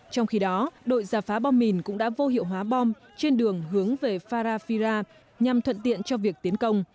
trong khi đó đội giả phá bom mìn cũng đã vô hiệu hóa bom trên đường hướng về farafira nhằm thuận tiện cho việc tiến công